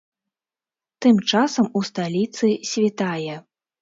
Тым часам у сталіцы світае.